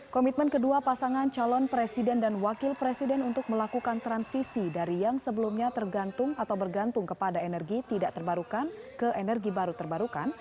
komitmen kedua pasangan calon presiden dan wakil presiden untuk melakukan transisi dari yang sebelumnya tergantung atau bergantung kepada energi tidak terbarukan ke energi baru terbarukan